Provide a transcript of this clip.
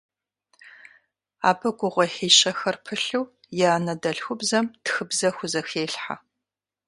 Абы гугъуехьищэхэр пылъу и анэдэльхубзэм тхыбзэ хузэхелъхьэ.